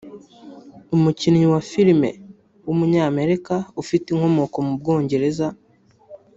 umukinnyi wa filime w’umunyamerika ufite inkomoko mu Bwongereza